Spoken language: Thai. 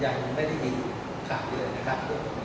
ยังไม่ได้มีขาวที่ได้เลย